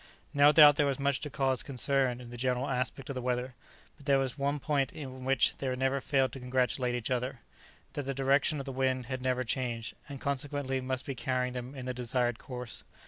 No doubt there was much to cause concern in the general aspect of the weather; but there was one point on which they never failed to congratulate each other; that the direction of the wind had never changed, and consequently must be carrying them in the desired course.